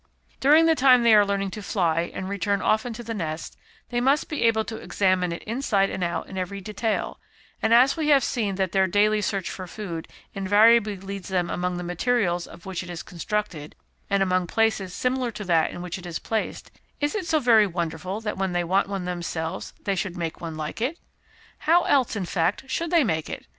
During the time they are learning to fly and return often to the nest, they must be able to examine it inside and out in every detail, and as we have seen that their daily search for food invariably leads them among the materials of which it is constructed, and among places similar to that in which it is placed, is it so very wonderful that when they want one themselves they should make one like it? How else, in fact, should they make it?